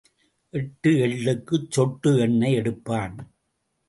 எட்டு எள்ளுக்குச் சொட்டு எண்ணெய் எடுப்பான்.